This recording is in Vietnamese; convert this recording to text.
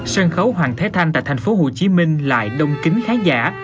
sân khấu hoàng thái thanh tại thành phố hồ chí minh lại đông kính khán giả